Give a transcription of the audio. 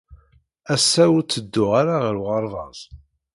Ass-a, ur ttedduɣ ara ɣer uɣerbaz!